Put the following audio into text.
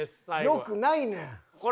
良くないねん。